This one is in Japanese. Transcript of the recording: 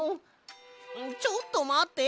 ちょっとまって！